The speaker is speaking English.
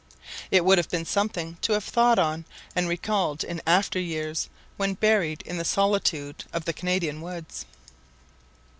It would have been something to have thought on and recalled in after years, when buried in the solitude of the Canadian woods.